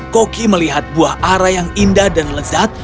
koki melihat buah arah yang indah dan lezat